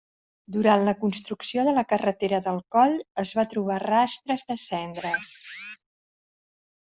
Durant la construcció de la carretera del coll, es va trobar rastres de cendres.